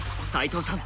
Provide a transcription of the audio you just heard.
齋藤さん